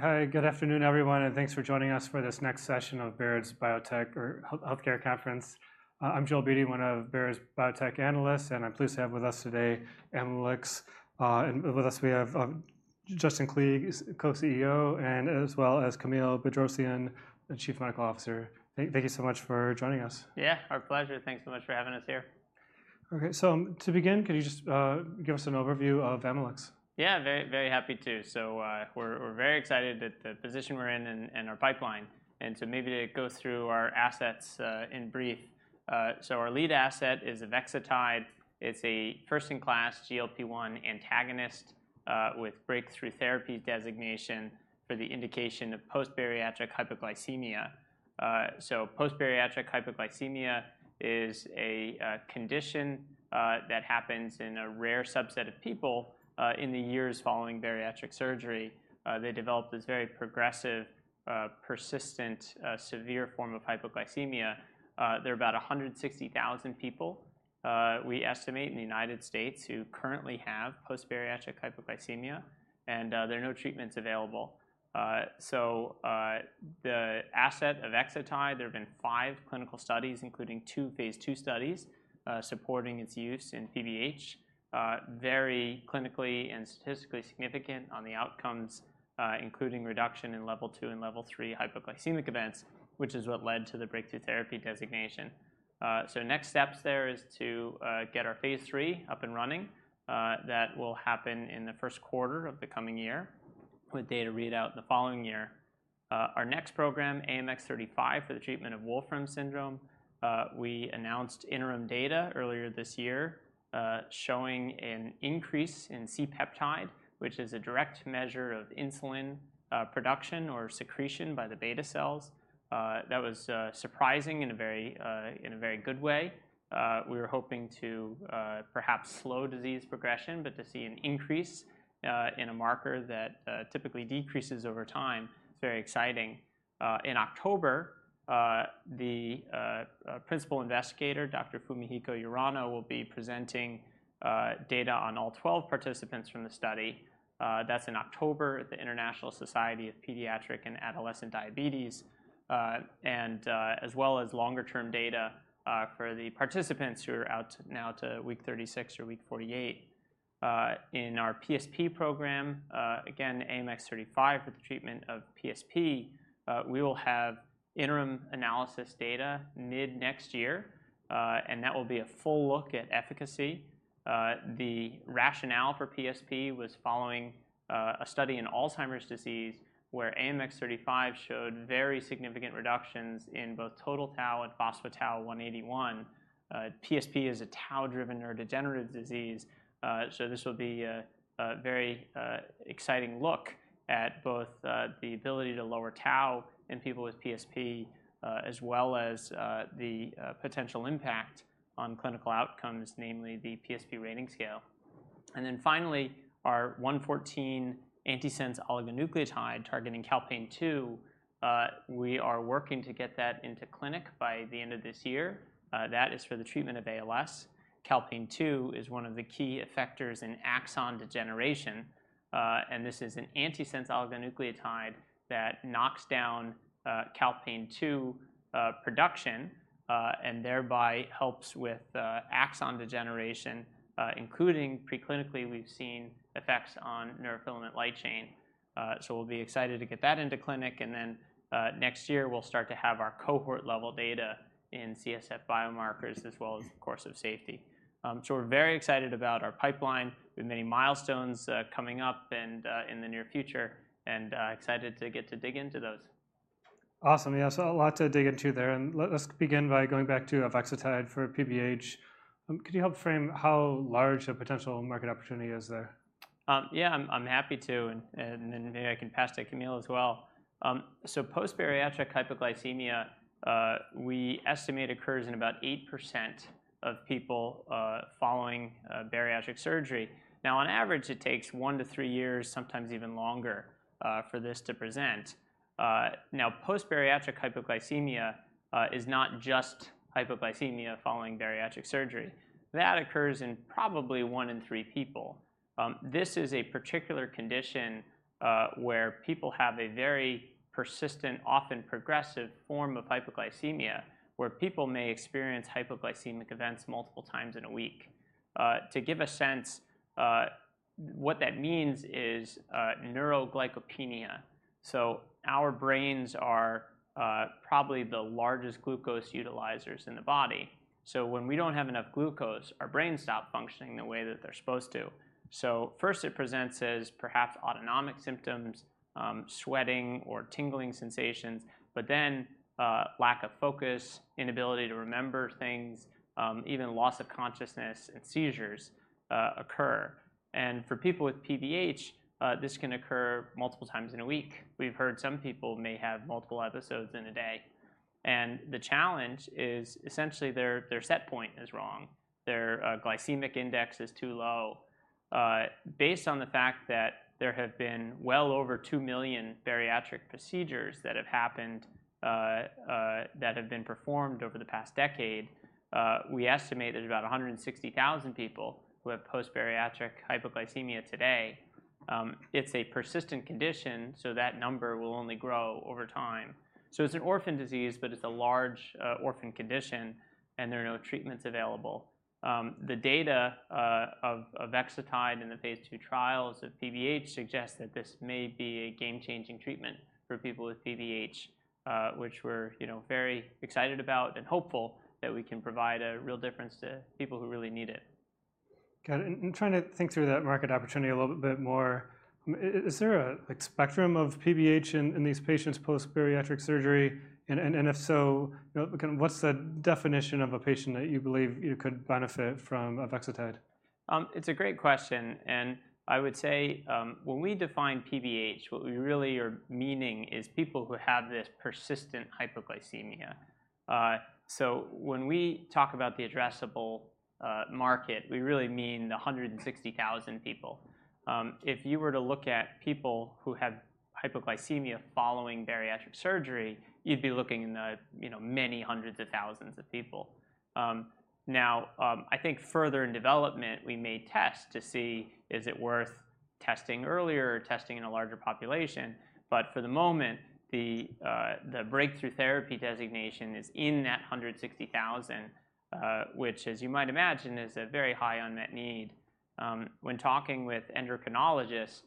Hi, good afternoon, everyone, and thanks for joining us for this next session of Baird's Biotech er Health, Healthcare Conference. I'm Joel Beatty, one of Baird's biotech analysts, and I'm pleased to have with us today Amylyx. And with us, we have Justin Klee, co-CEO, and as well as Camille Bedrosian, the Chief Medical Officer. Thank you so much for joining us. Yeah, our pleasure. Thanks so much for having us here. Okay, so to begin, could you just give us an overview of Amylyx? Yeah, very, very happy to. So, we're very excited that the position we're in and our pipeline, and so maybe to go through our assets in brief. So our lead asset is avexitide. It's a first-in-class GLP-1 antagonist with Breakthrough Therapy Designation for the indication of post-bariatric hypoglycemia. So post-bariatric hypoglycemia is a condition that happens in a rare subset of people in the years following bariatric surgery. They develop this very progressive, persistent, severe form of hypoglycemia. There are about 160,000 people, we estimate in the United States, who currently have post-bariatric hypoglycemia, and there are no treatments available. So the asset of avexitide, there have been five clinical studies, including two phase II studies supporting its use in PBH. Very clinically and statistically significant on the outcomes, including reduction in level two and level three hypoglycemic events, which is what led to the breakthrough therapy designation. So next steps there is to get our phase III up and running. That will happen in the first quarter of the coming year, with data readout the following year. Our next program, AMX0035, for the treatment of Wolfram syndrome. We announced interim data earlier this year, showing an increase in C-peptide, which is a direct measure of insulin production or secretion by the beta cells. That was surprising in a very good way. We were hoping to perhaps slow disease progression, but to see an increase in a marker that typically decreases over time, it's very exciting. In October, the principal investigator, Dr. Fumihiko Urano, will be presenting data on all 12 participants from the study. That's in October at the International Society of Pediatric and Adolescent Diabetes, and as well as longer term data for the participants who are out now to week 36 or week 48. In our PSP program, again, AMX0035 for the treatment of PSP, we will have interim analysis data mid-next year, and that will be a full look at efficacy. The rationale for PSP was following a study in Alzheimer's disease, where AMX0035 showed very significant reductions in both total tau and phospho tau 181. PSP is a tau-driven neurodegenerative disease, so this will be a very exciting look at both the ability to lower tau in people with PSP, as well as the potential impact on clinical outcomes, namely the PSP Rating Scale. And then finally, our AMX0114 antisense oligonucleotide targeting calpain-2, we are working to get that into clinic by the end of this year. That is for the treatment of ALS. Calpain-2 is one of the key effectors in axon degeneration, and this is an antisense oligonucleotide that knocks down calpain-2 production, and thereby helps with axon degeneration, including preclinically, we've seen effects on neurofilament light chain. We'll be excited to get that into clinic, and then, next year we'll start to have our cohort level data in CSF biomarkers, as well as, of course, safety. We're very excited about our pipeline. We have many milestones coming up and in the near future, and excited to get to dig into those. Awesome. Yeah, so a lot to dig into there, and let's begin by going back to avexitide for PBH. Could you help frame how large the potential market opportunity is there? Yeah, I'm happy to, and then maybe I can pass to Camille as well. So post-bariatric hypoglycemia, we estimate occurs in about 8% of people following bariatric surgery. Now, on average, it takes one to three years, sometimes even longer, for this to present. Now, post-bariatric hypoglycemia is not just hypoglycemia following bariatric surgery. That occurs in probably one in three people. This is a particular condition where people have a very persistent, often progressive form of hypoglycemia, where people may experience hypoglycemic events multiple times in a week. To give a sense, what that means is neuroglycopenia. So our brains are probably the largest glucose utilizers in the body, so when we don't have enough glucose, our brains stop functioning the way that they're supposed to. So first, it presents as perhaps autonomic symptoms, sweating or tingling sensations, but then, lack of focus, inability to remember things, even loss of consciousness and seizures, occur. And for people with PBH, this can occur multiple times in a week. We've heard some people may have multiple episodes in a day. And the challenge is essentially their set point is wrong. Their glycemic index is too low. Based on the fact that there have been well over 2 million bariatric procedures that have happened, that have been performed over the past decade, we estimate that about 160,000 people who have post-bariatric hypoglycemia today. It's a persistent condition, so that number will only grow over time. So it's an orphan disease, but it's a large orphan condition, and there are no treatments available. The data of avexitide in the phase II trials of PBH suggest that this may be a game-changing treatment for people with PBH, which we're, you know, very excited about and hopeful that we can provide a real difference to people who really need it. Got it, and trying to think through that market opportunity a little bit more, is there a like spectrum of PBH in these patients post-bariatric surgery? And if so, you know, kind of what's the definition of a patient that you believe, you know, could benefit from avexitide? It's a great question, and I would say, when we define PBH, what we really are meaning is people who have this persistent hypoglycemia. So when we talk about the addressable market, we really mean the 160,000 people. If you were to look at people who had hypoglycemia following bariatric surgery, you'd be looking in the, you know, many hundreds of thousands of people. Now, I think further in development, we may test to see is it worth testing earlier or testing in a larger population. But for the moment, the Breakthrough Therapy Designation is in that 160,000, which, as you might imagine, is a very high unmet need. When talking with endocrinologists,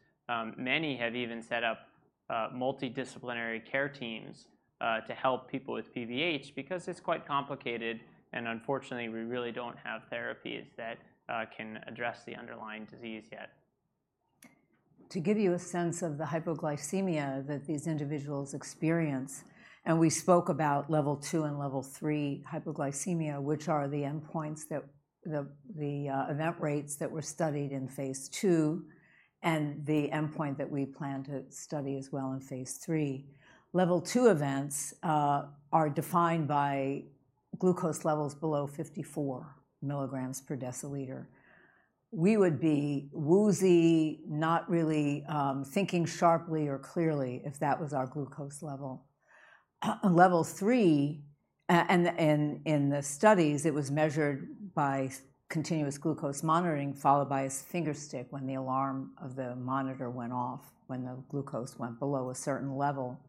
many have even set up multidisciplinary care teams to help people with PBH because it's quite complicated, and unfortunately, we really don't have therapies that can address the underlying disease yet. To give you a sense of the hypoglycemia that these individuals experience, and we spoke about Level 2 and Level 3 hypoglycemia, which are the endpoints that the event rates that were studied in phase II, and the endpoint that we plan to study as well in phase III. Level 2 events are defined by glucose levels below 54 mg/dL. We would be woozy, not really thinking sharply or clearly if that was our glucose level. Level 3, and in the studies, it was measured by continuous glucose monitoring, followed by a finger stick when the alarm of the monitor went off, when the glucose went below a certain level.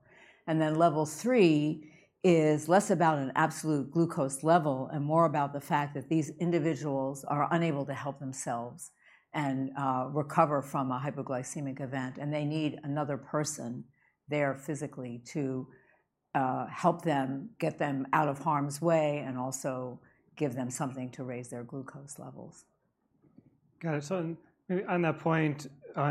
And then Level 3 is less about an absolute glucose level and more about the fact that these individuals are unable to help themselves and recover from a hypoglycemic event, and they need another person there physically to help them get them out of harm's way and also give them something to raise their glucose levels. Got it. So maybe on that point,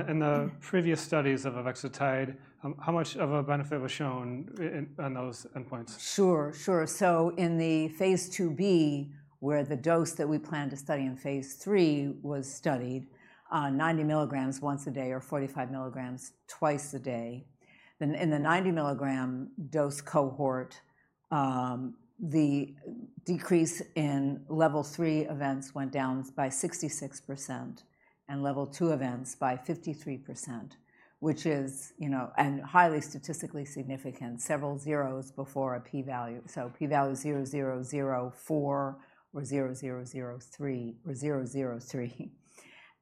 in the previous studies of avexitide, how much of a benefit was shown in those endpoints? Sure, sure. In the phase II-B, where the dose that we plan to study in phase III was studied, 90 mg once a day or 45 mg twice a day. Then in the 90 mg dose cohort, the decrease in Level 3 events went down by 66% and Level 2 events by 53%, which is, you know, and highly statistically significant, several zeros before a p-value. So p-value 0.0004 or 0.0003 or 0.003.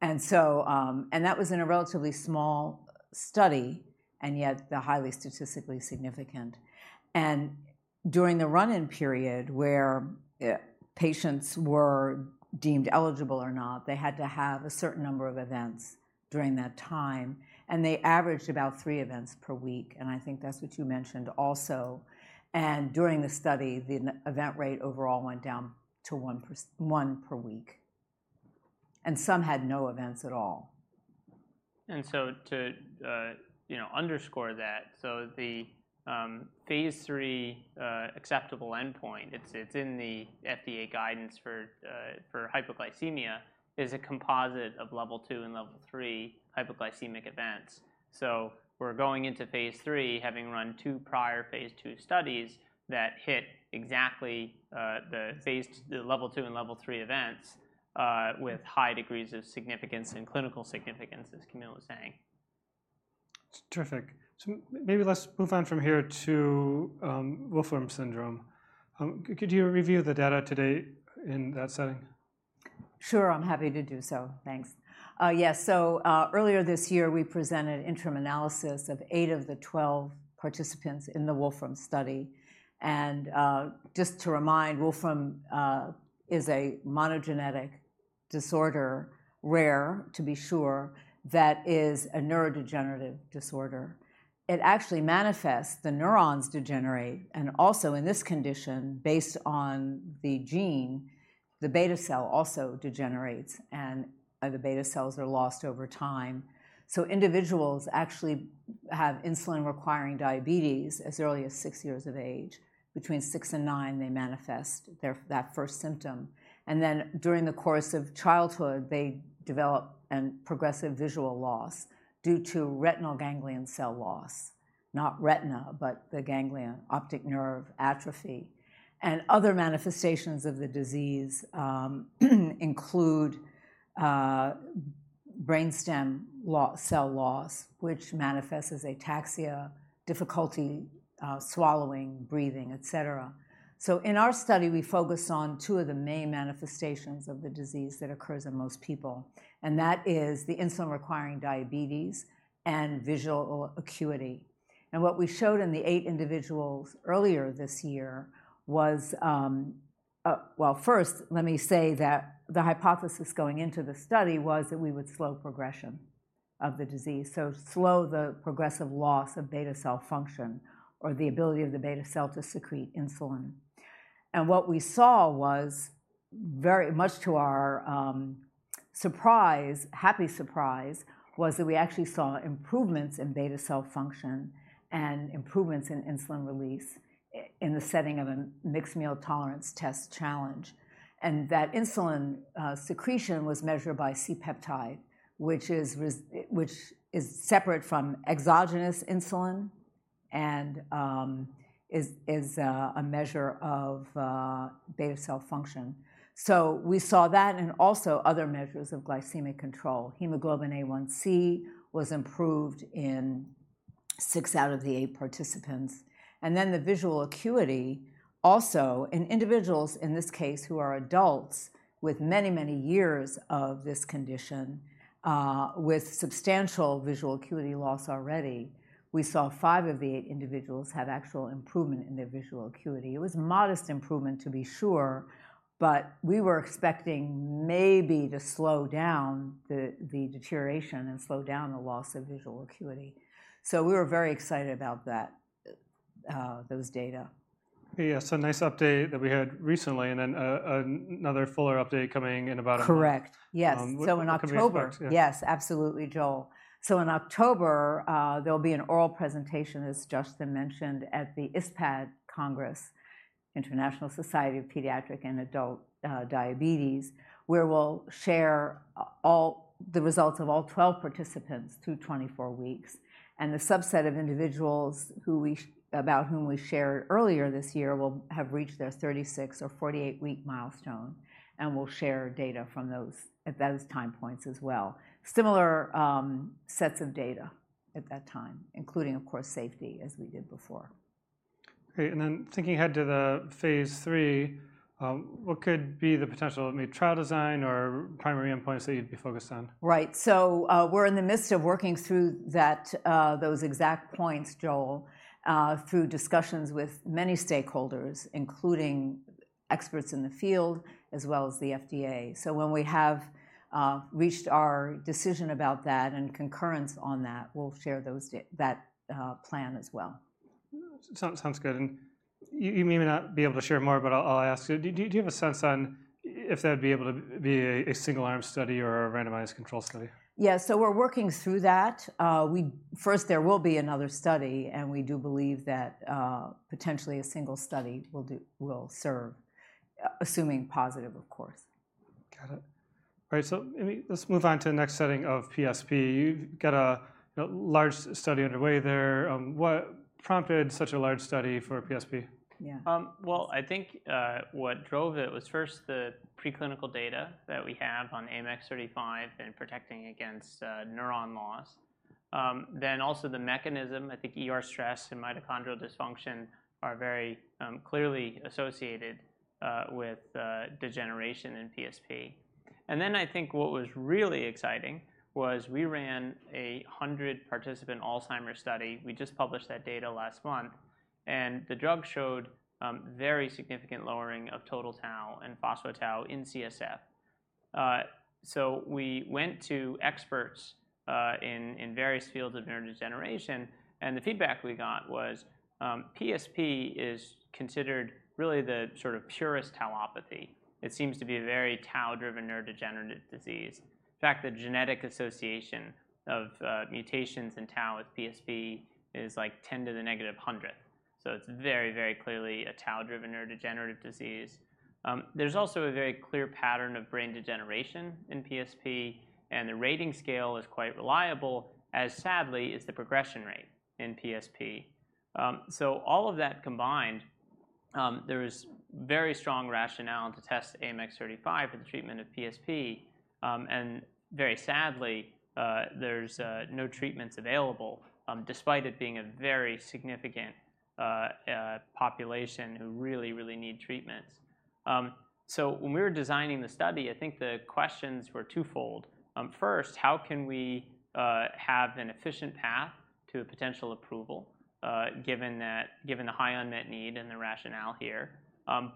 And that was in a relatively small study, and yet they're highly statistically significant. During the run-in period, where patients were deemed eligible or not, they had to have a certain number of events during that time, and they averaged about three events per week, and I think that's what you mentioned also. During the study, the event rate overall went down to one per week, and some had no events at all. And so, to you know underscore that, so the phase III acceptable endpoint, it's in the FDA guidance for hypoglycemia, is a composite of Level 2 and Level 3 hypoglycemic events. So we're going into phase III, having run two prior phase II studies that hit exactly the Level 2 and Level 3 events with high degrees of significance and clinical significance, as Camille was saying. Terrific. So maybe let's move on from here to Wolfram syndrome. Could you review the data to date in that setting? Sure, I'm happy to do so. Thanks. Yes, so, earlier this year, we presented interim analysis of eight of the 12 participants in the Wolfram study. And, just to remind, Wolfram is a monogenetic disorder, rare, to be sure, that is a neurodegenerative disorder. It actually manifests, the neurons degenerate, and also, in this condition, based on the gene, the beta cell also degenerates, and, the beta cells are lost over time. So individuals actually have insulin-requiring diabetes as early as six years of age. Between six and nine, they manifest their, that first symptom, and then during the course of childhood, they develop a progressive visual loss due to retinal ganglion cell loss, not retina, but the ganglion, optic nerve atrophy. And other manifestations of the disease include, brainstem cell loss, which manifests as ataxia, difficulty swallowing, breathing, et cetera. So in our study, we focus on two of the main manifestations of the disease that occurs in most people, and that is the insulin-requiring diabetes and visual acuity, and what we showed in the eight individuals earlier this year was, well, first, let me say that the hypothesis going into the study was that we would slow progression of the disease, so slow the progressive loss of beta cell function, or the ability of the beta cell to secrete insulin. And what we saw was, very much to our surprise, happy surprise, that we actually saw improvements in beta cell function and improvements in insulin release in the setting of a mixed meal tolerance test challenge. That insulin secretion was measured by C-peptide, which is separate from exogenous insulin and is a measure of beta cell function. We saw that and also other measures of glycemic control. Hemoglobin A1c was improved in six out of the eight participants, and then the visual acuity also in individuals, in this case, who are adults with many, many years of this condition, with substantial visual acuity loss already. We saw five of the eight individuals have actual improvement in their visual acuity. It was modest improvement, to be sure, but we were expecting maybe to slow down the deterioration and slow down the loss of visual acuity. We were very excited about that, those data. Yeah, so nice update that we had recently, and then another fuller update coming in about a month. Correct. Yes. So, in October. What can we expect? So in October, yes, absolutely, Joel. So in October, there'll be an oral presentation, as Justin mentioned at the ISPAD Congress, International Society of Pediatric and Adult Diabetes, where we'll share all the results of all 12 participants through 24 weeks. And the subset of individuals who we, about whom we shared earlier this year, will have reached their 36 or 48 week milestone, and we'll share data from those, at those time points as well. Similar sets of data at that time, including, of course, safety, as we did before. Great, and then thinking ahead to the phase III, what could be the potential, I mean, trial design or primary endpoints that you'd be focused on? Right. So, we're in the midst of working through that, those exact points, Joel, through discussions with many stakeholders, including experts in the field, as well as the FDA. So when we have reached our decision about that and concurrence on that, we'll share that plan as well. Sounds good. And you may not be able to share more, but I'll ask you: Do you have a sense on if that would be able to be a single arm study or a randomized control study? Yeah, so we're working through that. First, there will be another study, and we do believe that potentially a single study will serve, assuming positive, of course. Got it. All right, so let me... let's move on to the next setting of PSP. You've got a large study underway there. What prompted such a large study for PSP? Yeah. I think what drove it was first the preclinical data that we have on AMX0035 and protecting against neuron loss. Then also the mechanism, I think, ER stress and mitochondrial dysfunction are very clearly associated with degeneration in PSP, and then I think what was really exciting was we ran 100 participant Alzheimer's study. We just published that data last month, and the drug showed very significant lowering of total tau and phospho tau in CSF, so we went to experts in various fields of neurodegeneration, and the feedback we got was PSP is considered really the sort of purest tauopathy. It seems to be a very tau-driven neurodegenerative disease. In fact, the genetic association of mutations in tau with PSP is, like, 10 to the negative hundred, so it's very, very clearly a tau-driven neurodegenerative disease. There's also a very clear pattern of brain degeneration in PSP, and the rating scale is quite reliable, as sadly, is the progression rate in PSP, so all of that combined, there is very strong rationale to test AMX0035 for the treatment of PSP, and very sadly, there's no treatments available, despite it being a very significant population who really, really need treatments. So when we were designing the study, I think the questions were twofold. First, how can we have an efficient path to a potential approval, given the high unmet need and the rationale here,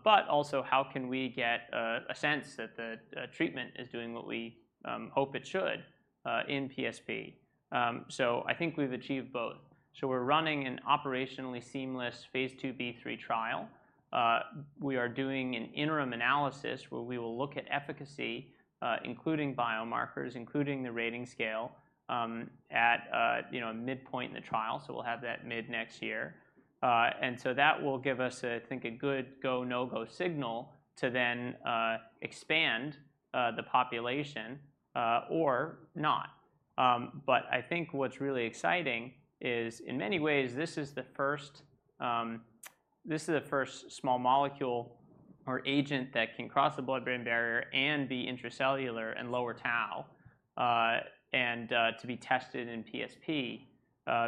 but also, how can we get a sense that the treatment is doing what we hope it should in PSP, so I think we've achieved both. So we're running an operationally seamless phase II-B/III trial. We are doing an interim analysis, where we will look at efficacy, including biomarkers, including the rating scale, at a you know midpoint in the trial, so we'll have that mid-next year. And so that will give us, I think, a good go, no-go signal to then expand the population or not. But I think what's really exciting is, in many ways, this is the first small molecule or agent that can cross the blood-brain barrier and be intracellular and lower tau and to be tested in PSP,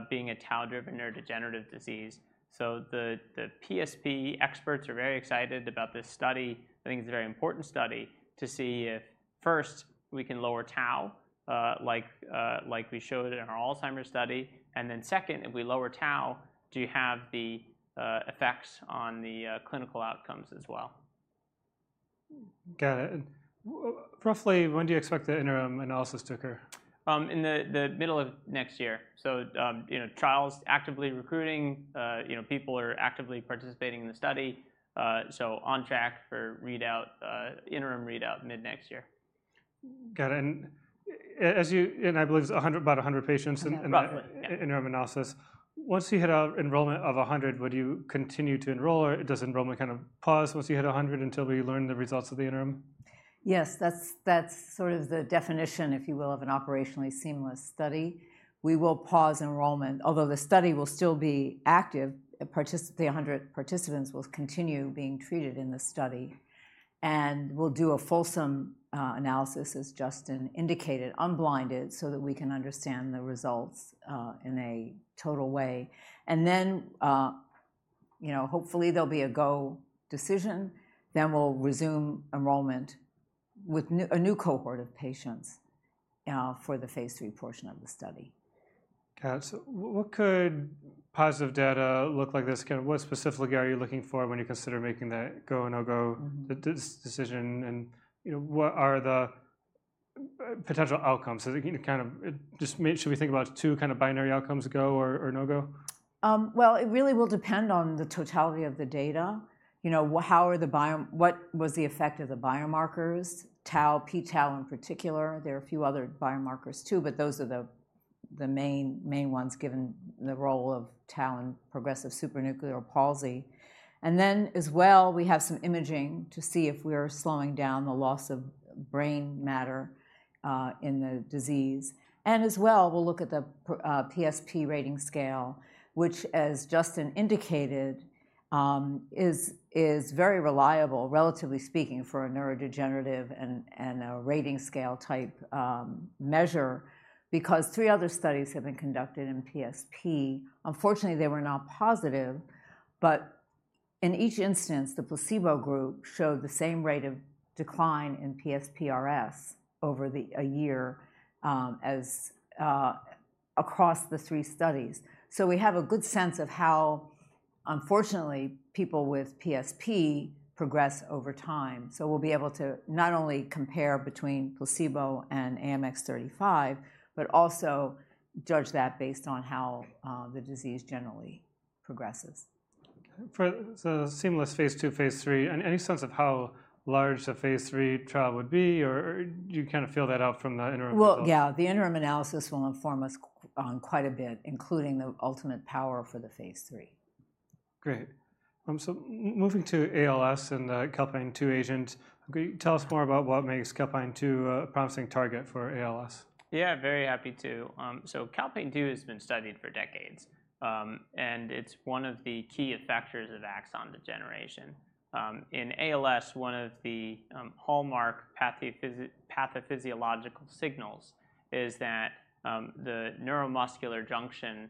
being a tau-driven neurodegenerative disease. So the PSP experts are very excited about this study. I think it's a very important study to see if, first, we can lower tau. Like we showed in our Alzheimer's study, and then second, if we lower tau, do you have the effects on the clinical outcomes as well? Got it. And roughly, when do you expect the interim analysis to occur? In the middle of next year, so you know, trial's actively recruiting, you know, people are actively participating in the study, so on track for readout, interim readout mid-next year. Got it. And, as you, and I believe it's 100, about 100 patients. In that interim analysis. Once you hit an enrollment of a hundred, would you continue to enroll, or does enrollment kind of pause once you hit a hundred until we learn the results of the interim? Yes, that's sort of the definition, if you will, of an operationally seamless study. We will pause enrollment, although the study will still be active. The 100 participants will continue being treated in the study, and we'll do a fulsome analysis, as Justin indicated, unblinded, so that we can understand the results in a total way. And then, you know, hopefully there'll be a go decision. Then we'll resume enrollment with a new cohort of patients for the phase III portion of the study. Got it. So what could positive data look like this? Kind of what specifically are you looking for when you consider making the go, no-go-decision and, you know, what are the potential outcomes? So can you kind of just should we think about two kind of binary outcomes, go or no-go? It really will depend on the totality of the data. You know, what was the effect of the biomarkers, tau, p-tau in particular? There are a few other biomarkers too, but those are the main ones, given the role of tau in progressive supranuclear palsy. We have some imaging to see if we are slowing down the loss of brain matter in the disease. We'll look at the PSP rating scale, which, as Justin indicated, is very reliable, relatively speaking, for a neurodegenerative and a rating scale type measure, because three other studies have been conducted in PSP. Unfortunately, they were not positive, but in each instance, the placebo group showed the same rate of decline in PSPRS over a year as across the three studies. So we have a good sense of how, unfortunately, people with PSP progress over time. So we'll be able to not only compare between placebo and AMX0035, but also judge that based on how the disease generally progresses. So seamless phase II, phase III, any sense of how large the phase III trial would be, or do you kind of fill that out from the interim analysis? Yeah, the interim analysis will inform us quite a bit, including the ultimate power for the phase III. Great. So moving to ALS and the calpain-2 agent, could you tell us more about what makes calpain-2 a promising target for ALS? Yeah, very happy to. So calpain-2 has been studied for decades, and it's one of the key effectors of axon degeneration. In ALS, one of the hallmark pathophysiological signals is that the neuromuscular junction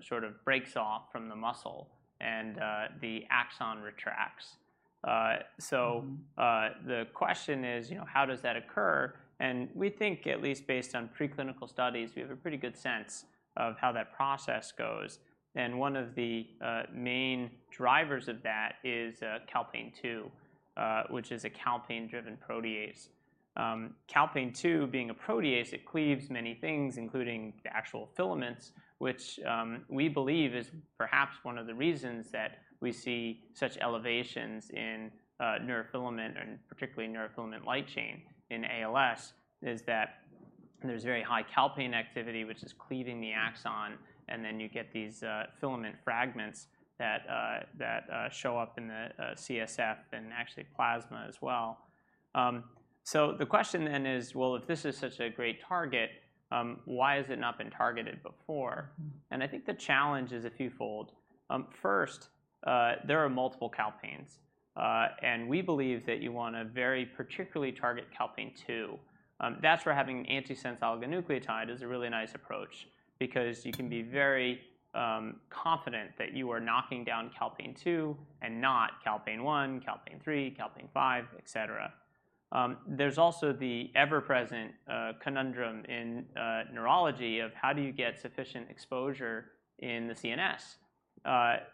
sort of breaks off from the muscle, and the axon retracts. So the question is, you know, how does that occur? And we think, at least based on preclinical studies, we have a pretty good sense of how that process goes. And one of the main drivers of that is calpain-2, which is a calpain-driven protease. Calpain-2, being a protease, it cleaves many things, including the actual filaments, which we believe is perhaps one of the reasons that we see such elevations in neurofilament and particularly neurofilament light chain in ALS, is that there's very high calpain activity, which is cleaving the axon, and then you get these filament fragments that show up in the CSF and actually plasma as well. So the question then is: Well, if this is such a great target, why has it not been targeted before? And I think the challenge is a fewfold. First, there are multiple calpains, and we believe that you want to very particularly target calpain-2, that's where having antisense oligonucleotide is a really nice approach because you can be very confident that you are knocking down calpain-2 and not calpain-1, calpain-3, calpain-5, et cetera. There's also the ever-present conundrum in neurology of: How do you get sufficient exposure in the CNS?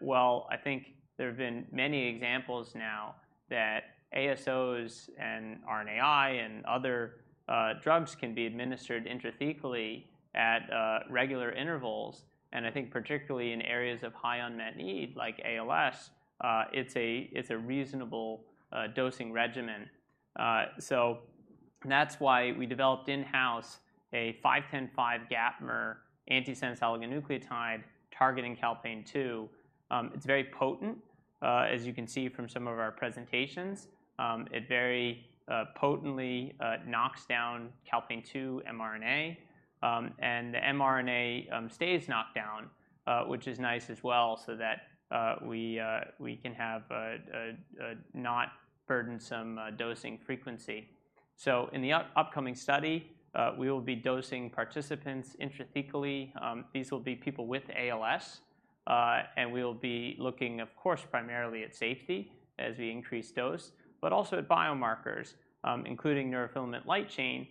Well, I think there have been many examples now that ASOs and RNAi and other drugs can be administered intrathecally at regular intervals, and I think particularly in areas of high unmet need, like ALS, it's a reasonable dosing regimen. So that's why we developed in-house a 5-10-5 gapmer antisense oligonucleotide targeting calpain-2. It's very potent. As you can see from some of our presentations, it very potently knocks down calpain-2 mRNA, and the mRNA stays knocked down, which is nice as well, so that we can have a not burdensome dosing frequency. So in the upcoming study, we will be dosing participants intrathecally. These will be people with ALS, and we'll be looking, of course, primarily at safety as we increase dose, but also at biomarkers, including neurofilament light chain.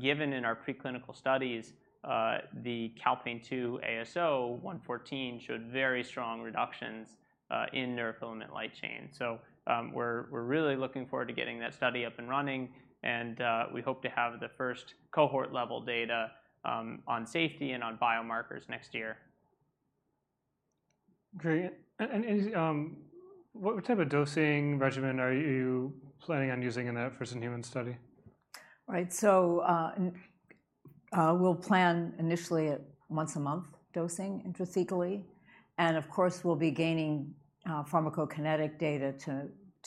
Given in our preclinical studies, the calpain-2 ASO AMX0114 showed very strong reductions in neurofilament light chain. So, we're really looking forward to getting that study up and running, and we hope to have the first cohort-level data on safety and on biomarkers next year. Great. And what type of dosing regimen are you planning on using in that first-in-human study? Right. So, we'll plan initially at once-a-month dosing intrathecally, and of course, we'll be gaining pharmacokinetic data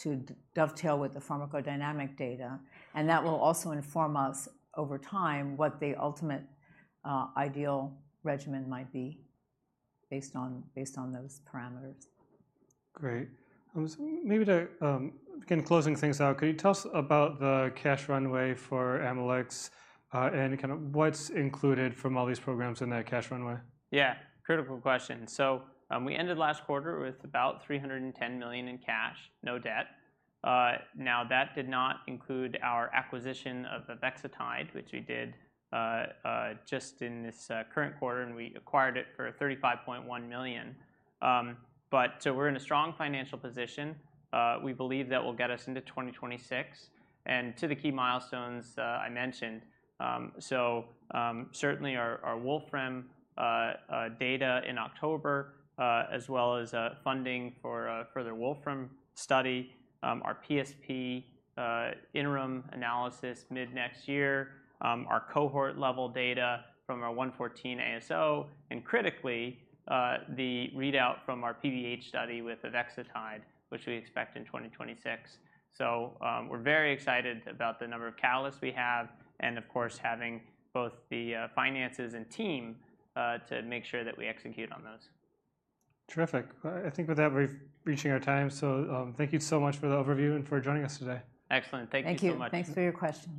to dovetail with the pharmacodynamic data, and that will also inform us over time what the ultimate ideal regimen might be based on those parameters. Great. So maybe to begin closing things out, could you tell us about the cash runway for Amylyx, and kind of what's included from all these programs in that cash runway? Yeah, critical question. So we ended last quarter with about $310 million in cash, no debt. Now, that did not include our acquisition of the avexitide, which we did just in this current quarter, and we acquired it for $35.1 million. But so we're in a strong financial position. We believe that will get us into 2026, and to the key milestones I mentioned. So certainly our Wolfram data in October, as well as funding for a further Wolfram study, our PSP interim analysis mid-next year, our cohort-level data from our AMX0114 ASO, and critically the readout from our PBH study with avexitide, which we expect in 2026. So, we're very excited about the number of catalysts we have, and of course, having both the finances and team to make sure that we execute on those. Terrific. I think with that, we're reaching our time, so, thank you so much for the overview and for joining us today. Excellent. Thank you so much. Thank you. Thanks for your questions.